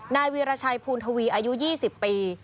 นายวีรชัยภูณธวีศ์อายุ๒๐ปี